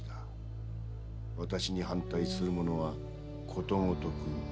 私に反対する者はことごとく潰してやる！